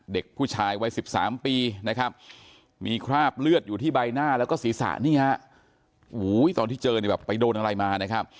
เด็กผู้ชายวัย๑๓ปีมีคราบเลือดอยู่ที่ใบหน้าแล้วก็ศีรษะตอนที่เจอไปโดนอะไรมา